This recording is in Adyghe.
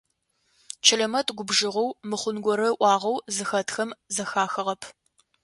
Чэлэмэт губжыгъэу, мыхъун горэ ыӏуагъэу зыхэтхэм зэхахыгъэп.